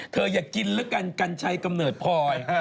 อย่ากินแล้วกันกัญชัยกำเนิดพลอย